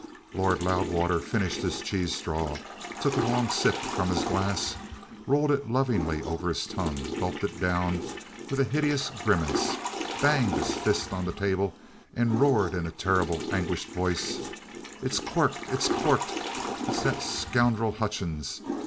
Lord Loudwater finished his cheese straws, took a long sip from his glass, rolled it lovingly over his tongue, gulped it down with a hideous grimace, banged down his fist on the table, and roared in a terrible, anguished voice: "It's corked! It's corked! It's that scoundrel Hutchings!